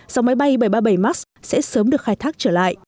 dòng máy bay bảy trăm ba mươi bảy max sẽ sớm được khai thác trở lại